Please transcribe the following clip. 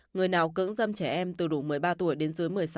người nào cứng dâm trẻ em từ đủ một mươi ba tuổi đến dưới một mươi sáu tuổi